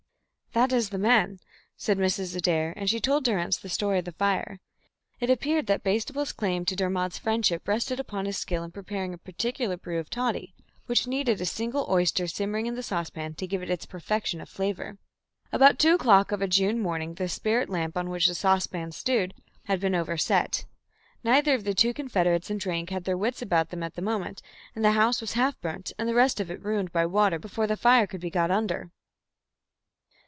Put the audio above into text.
"That is the man," said Mrs. Adair, and she told Durrance the history of the fire. It appeared that Bastable's claim to Dermod's friendship rested upon his skill in preparing a particular brew of toddy, which needed a single oyster simmering in the saucepan to give it its perfection of flavour. About two o'clock of a June morning the spirit lamp on which the saucepan stewed had been overset; neither of the two confederates in drink had their wits about them at the moment, and the house was half burnt and the rest of it ruined by water before the fire could be got under.